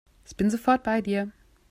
Ich bin sofort bei dir.